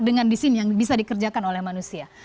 dengan di sini yang bisa dikerjakan oleh manusia